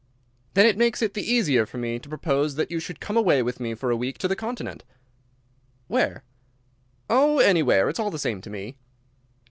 "Then it makes it the easier for me to propose that you should come away with me for a week to the Continent." "Where?" "Oh, anywhere. It's all the same to me."